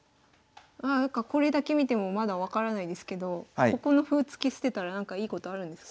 これだけ見てもまだ分からないですけどここの歩を突き捨てたらなんかいいことあるんですか？